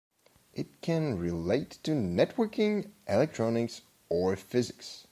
It can relate to networking, electronics or physics.